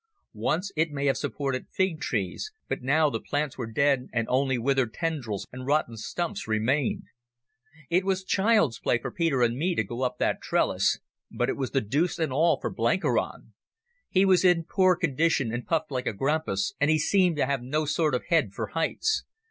Once it may have supported fig trees, but now the plants were dead and only withered tendrils and rotten stumps remained. It was child's play for Peter and me to go up that trellis, but it was the deuce and all for Blenkiron. He was in poor condition and puffed like a grampus, and he seemed to have no sort of head for heights.